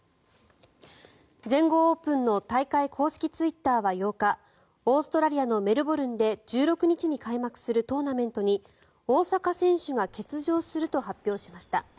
全豪オープンの大会公式ツイッターは８日オーストラリアのメルボルンで１６日に開幕するトーナメントに大坂選手が欠場すると発表しました。